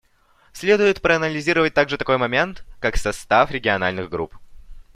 Следует проанализировать также такой момент, как состав региональных групп.